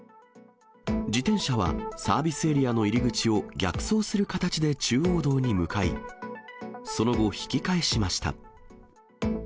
自転車は、サービスエリアの入り口を逆走する形で中央道に向かい、その後、引き返しました。